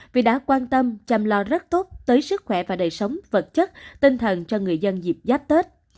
vì đã quan tâm chăm lo rất tốt tới sức khỏe và đời sống vật chất tinh thần cho người dân dịp giáp tết